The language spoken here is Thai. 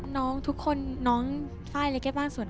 น้องทุกคนน้องฝ่ายไร้กิฉบ้านส่วน